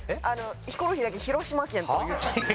ヒコロヒーだけ広島県と。